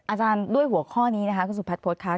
อาจารย์ด้วยหัวข้อนี้นะคะคุณสุพัฒพฤษค่ะ